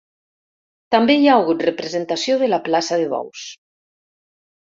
També hi ha hagut representació de la plaça de bous.